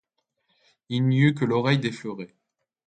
Il n’y eut que l’oreille d’effleurée.